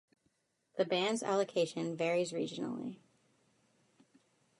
The band's allocation varies regionally.